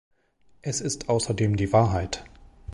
Es ist außerdem die Wahrheit.